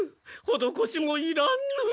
ほどこしもいらぬ。